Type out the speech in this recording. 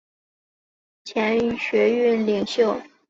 柴玲与远志明同是八九民运的前学运领袖。